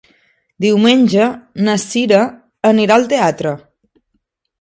Diumenge na Cira anirà al teatre.